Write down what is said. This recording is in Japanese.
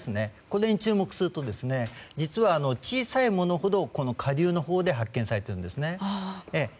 これに注目すると実は、小さいものほど下流のほうで発見されてるんですね。